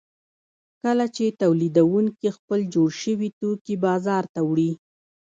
کله چې تولیدونکي خپل جوړ شوي توکي بازار ته وړي